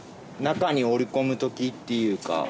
中に折り込むときっていうか。